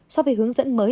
sau về hướng dẫn mới